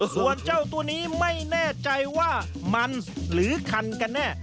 ส่วนเจ้าตัวนี้ไม่แน่ใจว่ามันหรือคันกันแน่